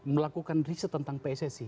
melakukan riset tentang pssi